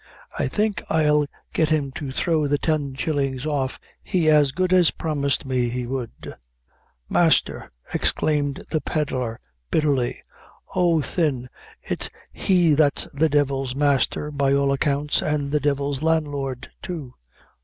"I think I'll get him to throw the ten shillings off he as good as promised me he would." "Masther!" exclaimed the pedlar, bitterly "oh, thin, it's he that's the divil's masther, by all accounts, an' the divil's landlord, too.